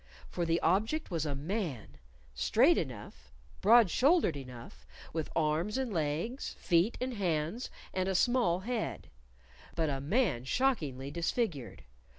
For the object was a man, straight enough, broad shouldered enough, with arms and legs, feet and hands, and a small head; but a man shockingly disfigured.